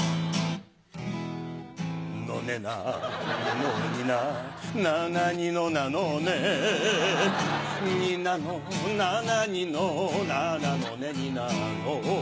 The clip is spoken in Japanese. のねなのになななにのなのねになのななにのななのねになの